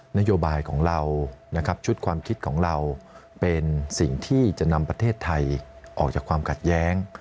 นโยบายของเรานะครับชุดความคิดของเราเป็นสิ่งที่จะนำประเทศไทยออกจากความขัดแย้ง